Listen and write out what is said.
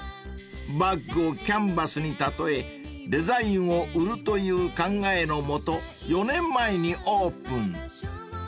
［バッグをキャンバスに例えデザインを売るという考えのもと４年前にオープン］